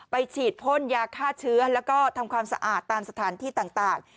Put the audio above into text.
ฉีดพ่นยาฆ่าเชื้อแล้วก็ทำความสะอาดตามสถานที่ต่าง